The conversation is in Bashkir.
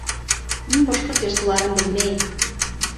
Мин башҡорт йырсыларын белмәйем.